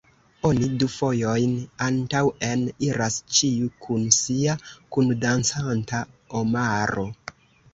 Oni du fojojn antaŭen iras, ĉiu kun sia kundancanta omaro.